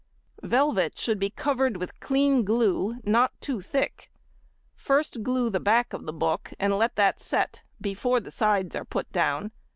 Velvet should be covered with clean glue not too thick; first glue the back of the book and let that set before the sides are put down.